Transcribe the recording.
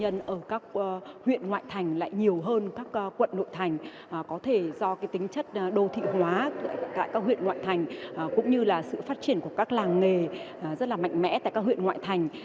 học sinh sinh viên ở các huyện ngoại thành lại nhiều hơn các quận nội thành có thể do tính chất đô thị hóa tại các huyện ngoại thành cũng như sự phát triển của các làng nghề rất mạnh mẽ tại các huyện ngoại thành